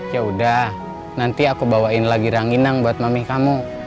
yaudah nanti aku bawain lagi ranginang buat mami kamu